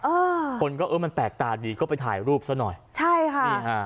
เออคนก็เออมันแปลกตาดีก็ไปถ่ายรูปซะหน่อยใช่ค่ะนี่ฮะ